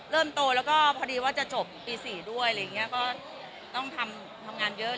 โตแล้วก็พอดีว่าจะจบปี๔ด้วยอะไรอย่างนี้ก็ต้องทำงานเยอะ